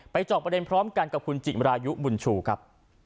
จอบประเด็นพร้อมกันกับคุณจิมรายุบุญชูครับ